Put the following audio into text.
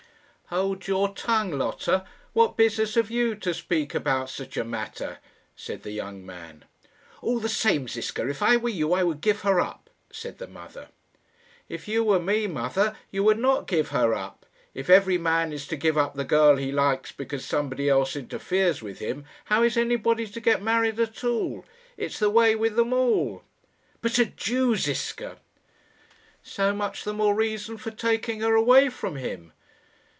"Hold your tongue, Lotta; what business have you to speak about such a matter?" said the young man. "All the same, Ziska, if I were you, I would give her up," said the mother. "If you were me, mother, you would not give her up. If every man is to give up the girl he likes because somebody else interferes with him, how is anybody to get married at all? It's the way with them all." "But a Jew, Ziska!" "So much the more reason for taking her away from him."